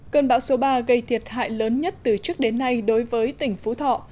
cơn bão số ba gây thiệt hại lớn nhất từ trước đến nay đối với tỉnh phú thọ